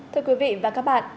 thưa quý vị và các bạn